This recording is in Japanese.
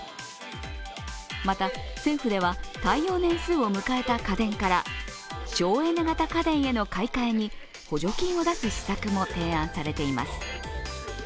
また、政府では、耐用年数を迎えた家電から省エネ型家電への買い替えに、補助金を出す施策も提案されています。